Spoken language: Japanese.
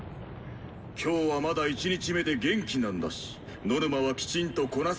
今日はまだ１日目で元気なんだしノルマはきちんとこなさないとね。